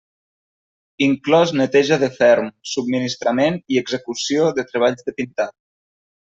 Inclòs neteja de ferm, subministrament i execució de treballs de pintat.